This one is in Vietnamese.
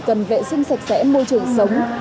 cần vệ sinh sạch sẽ môi trường sống